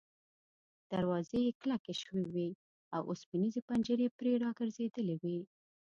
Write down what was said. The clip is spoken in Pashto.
دروازې یې کلکې شوې وې او اوسپنیزې پنجرې پرې را ګرځېدلې وې.